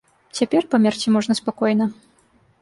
Цяпер і памерці можна спакойна.